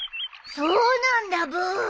そうなんだブー。